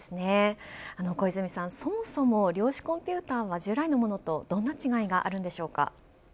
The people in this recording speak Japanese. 小泉さんそもそも量子コンピューターは従来のものとどんな違いがあるんでしょうか。